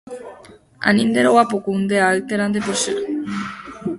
Ani nderovapuku, ndeay térã ndepochy.